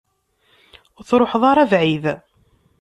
Ur truḥeḍ ara bɛid.